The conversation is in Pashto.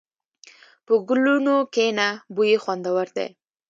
په ګلونو کښېنه، بوی یې خوندور دی.